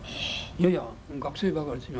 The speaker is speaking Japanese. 「いやいや学生ばかりです。